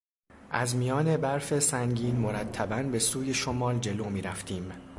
از میان برف سنگین مرتبا به سوی شمال جلو میرفتیم.